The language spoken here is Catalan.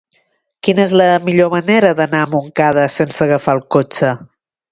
Quina és la millor manera d'anar a Montcada sense agafar el cotxe?